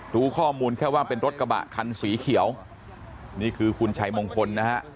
รู้ข้อมูลแค่ว่าเป็นรถกระบะคันสีเขียวนี่คือคุณชัยมงคลนะฮะ